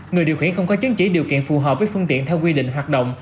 người điều khiển không có chứng chỉ điều kiện phù hợp với phương tiện theo quy định hoạt động